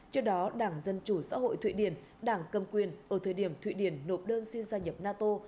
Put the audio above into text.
trước đó đảng dân chủ xã hội thụy điển đảng cầm quyền ở thời điểm thụy điển nộp đơn xin gia nhập nato